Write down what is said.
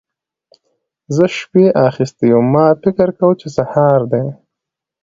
زه شپې اخيستی وم؛ ما فکر کاوو چې سهار دی.